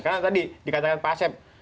karena tadi dikatakan pak asep